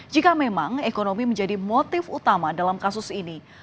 jika memang ekonomi menjadi motif utama dalam kasus ini